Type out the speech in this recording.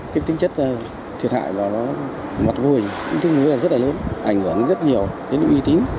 cái tính chất thiệt hại nó mặt vùi tính chất rất là lớn ảnh hưởng rất nhiều đến những uy tín